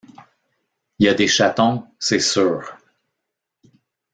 Y’a des chatons, c’est sûr...